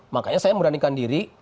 makanya saya meranikan diri